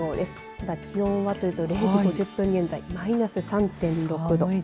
ただ、気温はというと１２時５０分現在マイナス３．６度。